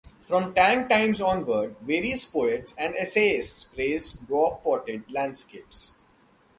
From Tang times onward, various poets and essayists praised dwarf potted landscapes.